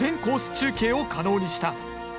中継を可能にした。